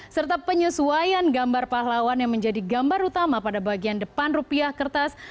serta penyesuaian gambar pahlawan yang menjadi gambar utama pada bagian depan rupiah kertas